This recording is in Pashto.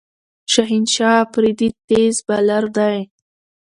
شاهین شاه آفريدي تېز بالر دئ.